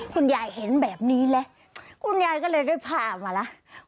คุณยายเห็นแบบนี้แหละคุณยายก็เลยได้พามาแล้ว